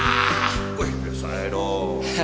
ah ah ah wih udah selesai dong